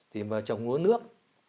thì mà trồng uống nước